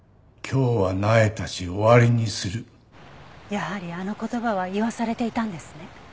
やはりあの言葉は言わされていたんですね。